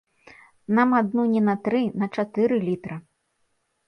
Нам адну не на тры, на чатыры літра!